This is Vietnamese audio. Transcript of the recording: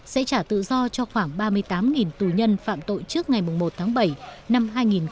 sẽ trả tự do cho khoảng ba mươi tám tù nhân phạm tội trước ngày một tháng bảy năm hai nghìn hai mươi